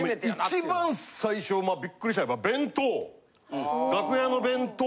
一番最初びっくりしたのが弁当。